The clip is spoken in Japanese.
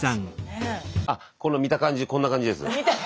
あっこの見た感じこんな感じです。